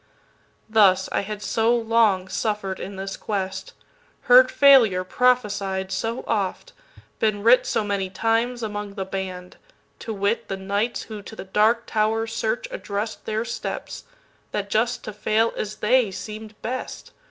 Thus, I had so long suffer'd, in this quest, Heard failure prophesied so oft, been writSo many times among "The Band"—to wit, The knights who to the Dark Tower's search address'dTheir steps—that just to fail as they, seem'd best.